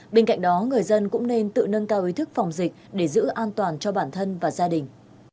bên cạnh đó người dân cũng nên tự nâng cao ý thức phòng dịch để giữ an toàn cho bản thân và gia đình